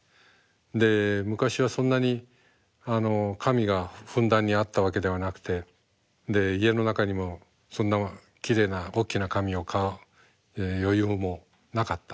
で昔はそんなに紙がふんだんにあったわけではなくてで家の中にもそんなきれいなおっきな紙を買う余裕もなかった。